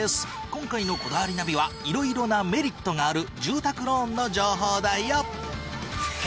今回の『こだわりナビ』は色々なメリットがある住宅ローンの情報だよ。